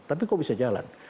tapi kok bisa jalan